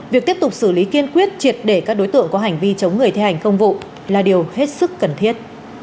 việc tiếp tục xử lý kiên quyết triệt để các đối tượng có hành vi chống người thi hành công vụ là điều hết sức cần thiết